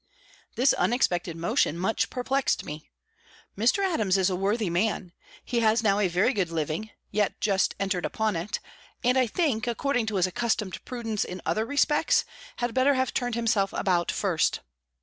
This unexpected motion much perplexed me. Mr. Adams is a worthy man. He has now a very good living; yet just entered upon it; and, I think, according to his accustomed prudence in other respects, had better have turned himself about first.